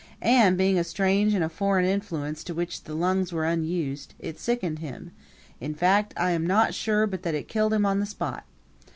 And, being a strange and a foreign influence to which the lungs were unused, it sickened him; in fact I am not sure but that it killed him on the spot.